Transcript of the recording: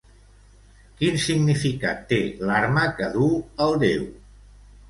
Quin significat té l'arma que duu el déu?